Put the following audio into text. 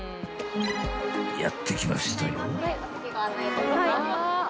［やって来ましたよ］